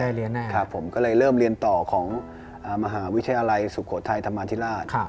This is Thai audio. เรียนแน่ครับผมก็เลยเริ่มเรียนต่อของมหาวิทยาลัยสุโขทัยธรรมาธิราช